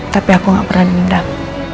tapi aku gak pernah diindak